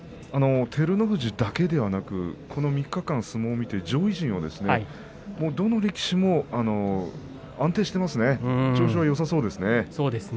照ノ富士だけではなくこの３日間、相撲を見て上位陣がどの力士も安定していますね。